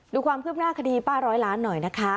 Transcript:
ดูความคืบหน้าคดีป้าร้อยล้านหน่อยนะคะ